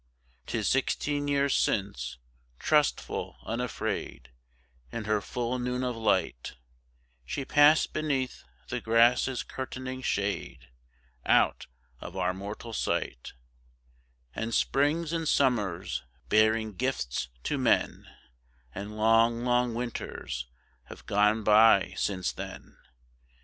'Tis sixteen years since, trustful, unafraid, In her full noon of light, She passed beneath the grass's curtaining shade, Out of our mortal sight; And springs and summers, bearing gifts to men, And long, long winters have gone by since then.